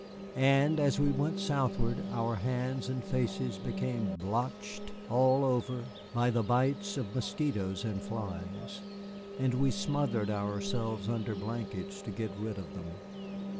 And, as we went southward, our hands and faces became blotched all over by the bites of mosquitoes and flies, and we smothered ourselves under blankets to get rid of them.